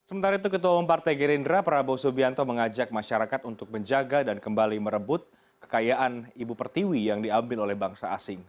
sementara itu ketua umum partai gerindra prabowo subianto mengajak masyarakat untuk menjaga dan kembali merebut kekayaan ibu pertiwi yang diambil oleh bangsa asing